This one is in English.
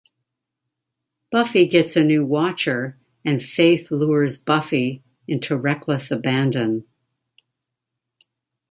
Buffy gets a new watcher, and Faith lures Buffy into reckless abandon.